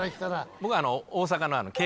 僕は大阪の。